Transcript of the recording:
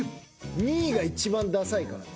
２位が一番ダサいからね。